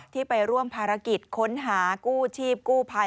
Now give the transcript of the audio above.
ที่ไปร่วมภารกิจค้นหากู้ชีพกู้ภัย